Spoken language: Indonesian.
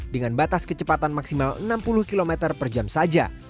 dengan batas kecepatan maksimal enam puluh km per jam saja